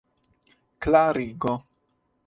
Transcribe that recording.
klarigo